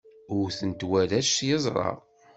Wten-t warrac s yiẓra.